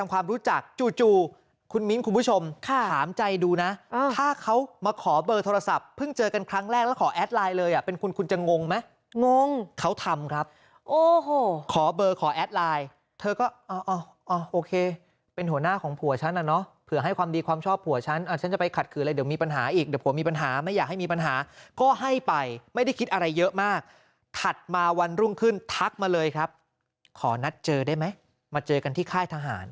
วันรุ่งขึ้นทักมาเลยครับขอนัดเจอได้ไหมมาเจอกันที่ค่ายทหาร